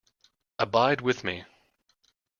Abide with me.